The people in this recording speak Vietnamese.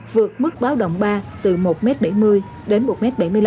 vượt mức báo động ba từ một bảy mươi m đến một bảy mươi năm m